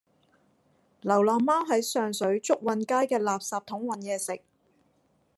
流浪貓喺上水祝運街嘅垃圾桶搵野食